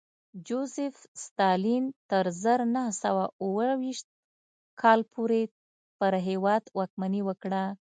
جوزېف ستالین تر زر نه سوه اوه ویشت کال پورې پر هېواد واکمني وکړه